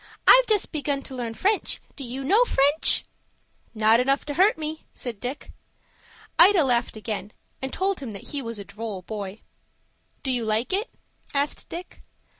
I've just begun to learn French. Do you know French?" "Not enough to hurt me," said Dick. Ida laughed again, and told him that he was a droll boy. "Do you like it?" asked Dick.